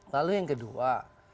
lalu yang kedua